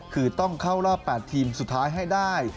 คือต้องเข้ารอบ๘ทีมสุดท้ายให้ได้